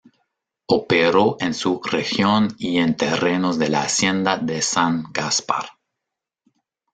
Operó en su región y en terrenos de la hacienda de San Gaspar.